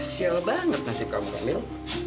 sial banget nasib kamu kamil